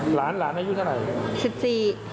หลานหลานอายุเท่าไหร่